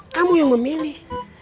kamu yang memilih